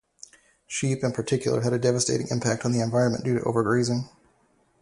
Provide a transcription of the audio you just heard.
Sheep in particular had a devastating impact on the environment due to overgrazing.